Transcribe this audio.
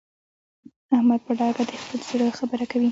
احمد په ډاګه د خپل زړه خبره کوي.